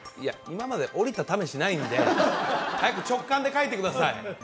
今まで降りたためしないんで早く直感で書いてください